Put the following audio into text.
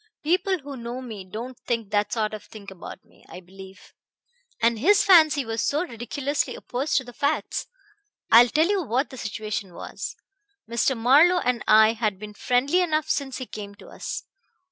People who know me don't think that sort of thing about me, I believe. And his fancy was so ridiculously opposed to the facts. I will tell you what the situation was. Mr. Marlowe and I had been friendly enough since he came to us.